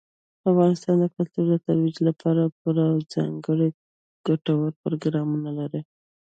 افغانستان د کلتور د ترویج لپاره پوره او ځانګړي ګټور پروګرامونه لري.